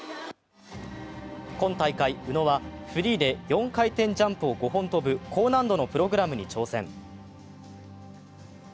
今大会、宇野はフリーで４回転ジャンプを５本跳ぶ高難度のプログラムに挑戦。